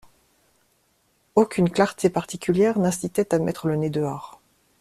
Aucune clarté particulière n’incitait à mettre le nez dehors.